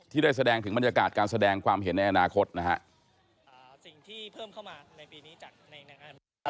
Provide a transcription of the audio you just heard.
ได้แสดงถึงบรรยากาศการแสดงความเห็นในอนาคตนะฮะ